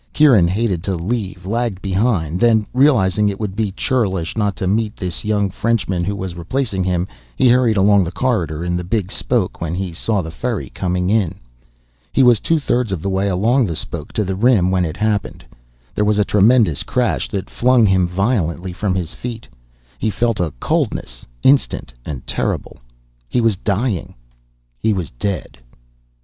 Kieran, hating to leave, lagged behind. Then, realizing it would be churlish not to meet this young Frenchman who was replacing him, he hurried along the corridor in the big spoke when he saw the ferry coming in. He was two thirds of the way along the spoke to the rim when it happened. There was a tremendous crash that flung him violently from his feet. He felt a coldness, instant and terrible. He was dying. He was dead.